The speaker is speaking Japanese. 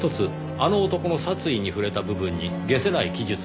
あの男の殺意に触れた部分に解せない記述がありました。